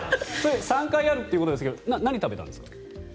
３回あるってことですが何食べたんですか？